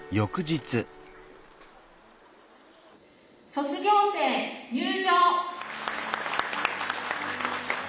卒業生入場。